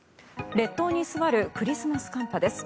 列島に居座るクリスマス寒波です。